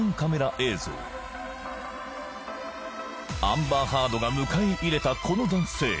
アンバー・ハードが迎え入れたこの男性